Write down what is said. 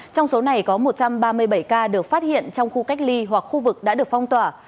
trong số này có một trăm ba mươi bảy ca được phát hiện trong khu cách ly hoặc khu vực đã được phong tỏa